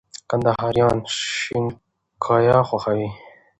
کندهاريان شينګياه خوښوي